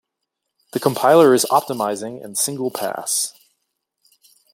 The compiler is optimizing and single pass.